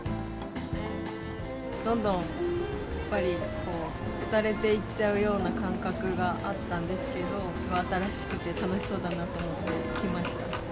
どんどんやっぱりこう、すたれていっちゃうような感覚があったんですけど、新しくて楽しそうだなと思って来ました。